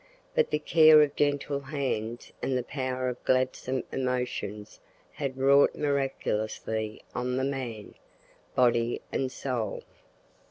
But the care of gentle hands and the power of gladsome emotions had wrought miraculously on the man, body and soul.